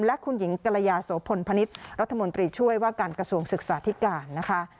และคุณหญิงกรยาโสพลพนิษฐ์รัฐมนตรีช่วยว่าการกระทรวงศึกษาธิการนะคะ